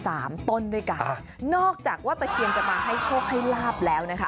ต้นด้วยกันนอกจากว่าตะเคียนจะมาให้โชคให้ลาบแล้วนะคะ